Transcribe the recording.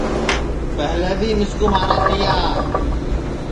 پہلے بی مِسکُو مارا تیا